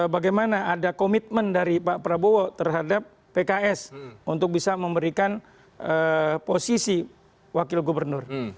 bagaimana ada komitmen dari pak prabowo terhadap pks untuk bisa memberikan posisi wakil gubernur